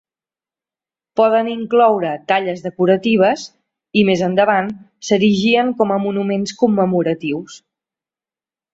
Poden incloure talles decoratives i, més endavant, s'erigien com a monuments commemoratius.